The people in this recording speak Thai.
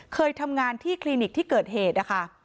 เคยทำงานที่คลินิกที่เกิดเหตุนะคะ